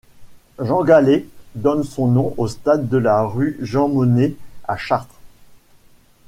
Jean Gallet donne son nom au stade de la rue Jean-Monnet à Chartres.